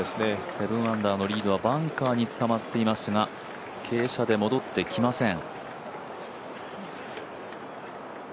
７アンダーのリードはバンカーに捕まっていますが傾斜で戻ってきません。